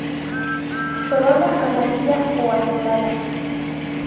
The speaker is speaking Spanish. Corola amarilla o azulada.